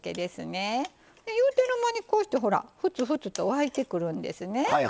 言うてる間にこうしてほらふつふつと沸いてくるんですね。